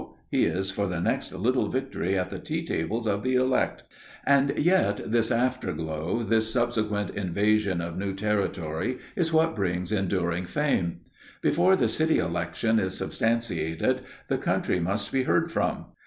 He is for the next little victory at the tea tables of the elect! And yet, this afterglow, this subsequent invasion of new territory is what brings enduring fame. Before the city election is substantiated, the country must be heard from.